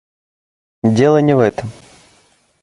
Дело не в этом.